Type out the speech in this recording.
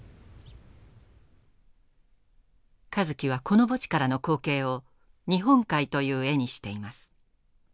香月はこの墓地からの光景を「日本海」という絵にしています。